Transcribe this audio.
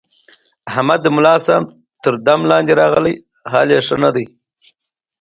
احمد د ملاصاحب دم لاندې راغلی، حال یې ښه نه دی.